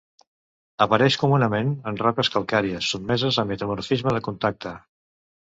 Apareix comunament en roques calcàries sotmeses a metamorfisme de contacte.